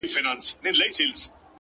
• دا غرونه ـ غرونه دي ولاړ وي داسي ـ